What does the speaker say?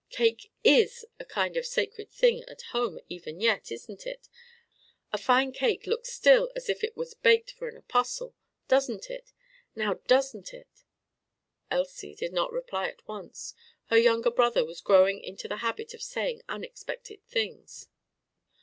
Cake is a kind of sacred thing at home even yet, isn't it? A fine cake looks still as if it was baked for an Apostle! Doesn't it? Now doesn't it?" Elsie did not reply at once. Her younger brother was growing into the habit of saying unexpected things.